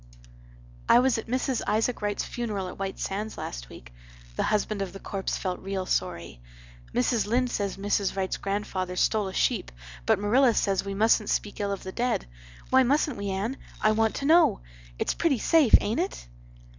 '" "I was at Mrs. Isaac Wrights funeral at White Sands last week. The husband of the corpse felt real sorry. Mrs. Lynde says Mrs. Wrights grandfather stole a sheep but Marilla says we mustent speak ill of the dead. Why mustent we, Anne? I want to know. It's pretty safe, ain't it?